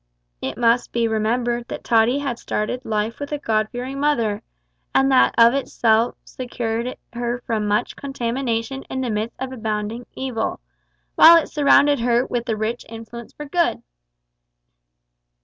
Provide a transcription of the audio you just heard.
It must be remembered that Tottie had started life with a God fearing mother, and that of itself secured her from much contamination in the midst of abounding evil, while it surrounded her with a rich influence for good.